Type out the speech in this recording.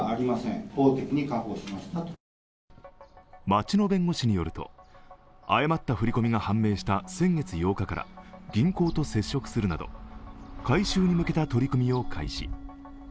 町の弁護士によると、誤った振り込みが判明した先月８日から銀行と接触するなど回収に向けた取り組みを開始。